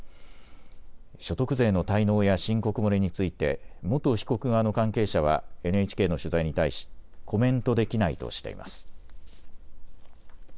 所得税の滞納や申告漏れについて元被告側の関係者はＮＨＫの取材に対しコメントできないとしています。